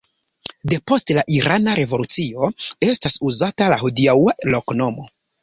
Depost la irana revolucio estas uzata la hodiaŭa loknomo.